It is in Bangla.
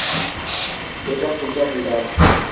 এরা ফিল্টার ফিডার।